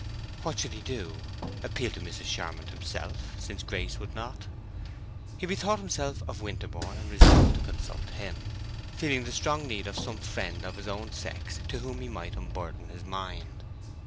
What should he do—appeal to Mrs. Charmond himself, since Grace would not? He bethought himself of Winterborne, and resolved to consult him, feeling the strong need of some friend of his own sex to whom he might unburden his mind.